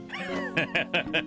ハハハハ！